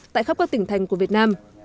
tại khắp các tỉnh thành của việt nam